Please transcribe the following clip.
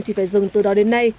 chỉ phải dừng từ đó đến nay